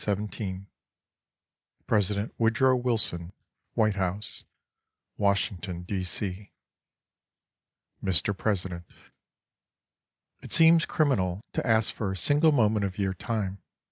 President Woodrow Wilson, White House, Washington, D. C. Mr. President: It seems criminal to ask for a single moment of your time.